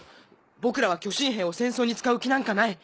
僕らは巨神兵を戦争に使う気なんかない！